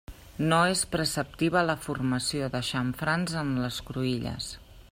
No és preceptiva la formació de xamfrans en les cruïlles.